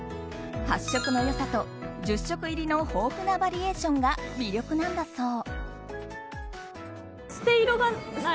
発色の良さと１０色入りの豊富なバリエーションが魅力なんだそう。